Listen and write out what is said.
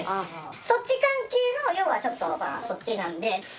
そっち関係の要はちょっとそっちなんで。